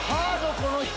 この人。